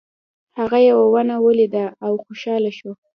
هغه یوه ونه ولیده او خوشحاله شو.